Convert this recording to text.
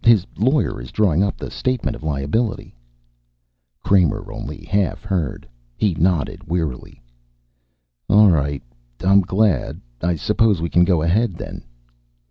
His lawyer is drawing up the statement of liability." Kramer only half heard. He nodded wearily. "All right. I'm glad. I suppose we can go ahead, then."